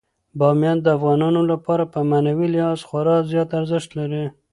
بامیان د افغانانو لپاره په معنوي لحاظ خورا زیات ارزښت لري.